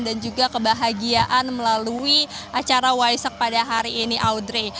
dan juga kebahagiaan melalui acara waisak pada hari ini audrey